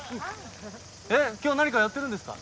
今日何かやってるんですか？